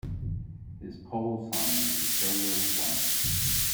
His call sign is Solo One.